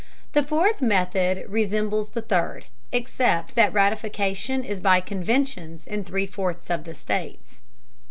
The fourth method resembles the third, except that ratification is by conventions in three fourths of the states.